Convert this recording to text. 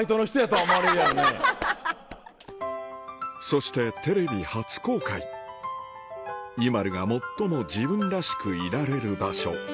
そしてテレビ初公開ＩＭＡＬＵが最も自分らしくいられる場所